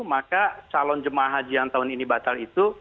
maka calon jemaah haji yang tahun ini batal itu